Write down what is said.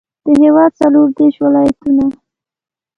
د هېواد څلوردېرش ولایتونه.